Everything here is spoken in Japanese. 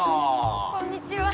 こんにちは。